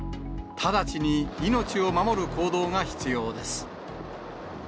直ちに命を守る行動が必要です。